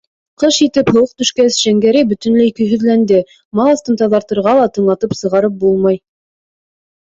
Ҡыш етеп, һыуыҡ төшкәс, Шәңгәрәй бөтөнләй көйһөҙләнде, мал аҫтын таҙартырға ла тыңлатып сығарып булмай.